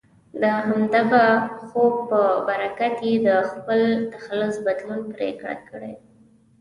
د همدغه خوب په برکت یې د خپل تخلص بدلون پرېکړه کړې.